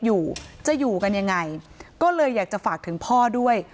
อยู่จะอยู่กันยังไงก็เลยอยากจะฝากถึงพ่อด้วย